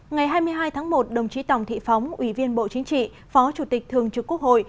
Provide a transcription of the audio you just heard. ngày hai mươi hai tháng một đồng chí tòng thị phóng ủy viên bộ chính trị phó chủ tịch thường trực quốc hội